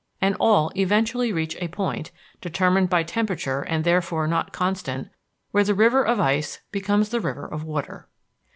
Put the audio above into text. And all eventually reach a point, determined by temperature and therefore not constant, where the river of ice becomes the river of water.